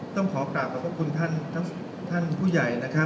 ต้องขอปรับรับขอบคุณท่านผู้ใหญ่